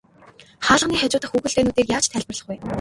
Хаалганы хажуу дахь хүүхэлдэйнүүдийг яаж тайлбарлах вэ?